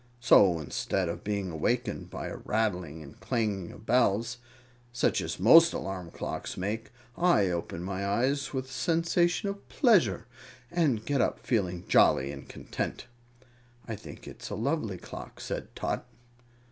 So, instead of being awakened by a rattling and clanging of bells, such as most alarm clocks make, I open my eyes with a sensation of pleasure, and get up feeling jolly and content. "I think it's a lovely clock," said Tot.